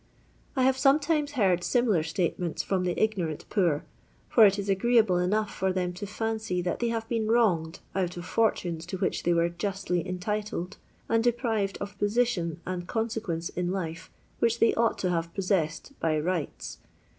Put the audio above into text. I have sometimes heard similar statements from the ignorant poor, for it is agreeable enough to them to fiincy that they have been wronged out of fortunes to which they were justly entiSed, and deprived of the position and eonsequence in life which they ought to have pos sessed " by rights."